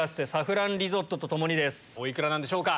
お幾らなんでしょうか？